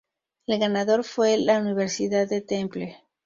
El ganador fue la Universidad de Temple.